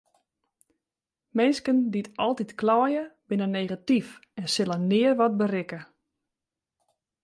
Minsken dy't altyd kleie binne negatyf en sille nea wat berikke.